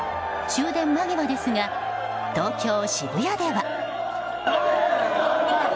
終電間際ですが東京・渋谷では。